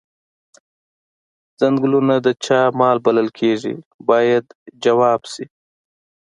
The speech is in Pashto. څنګلونه د چا مال بلل کیږي باید ځواب شي.